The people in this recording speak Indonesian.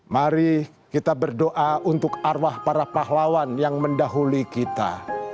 mari kita berdoa untuk arwah para pahlawan yang mendahului kita